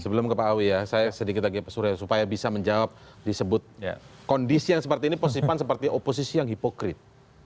sebelum ke pak awi ya saya sedikit lagi supaya bisa menjawab disebut kondisi yang seperti ini posisi pan seperti oposisi yang hipokrit